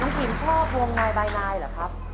น้องขิมชอบวงนายบายนายเหรอครับ